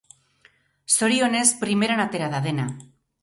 Zorionez, primeran atera da dena.